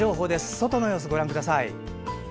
外の様子ご覧ください。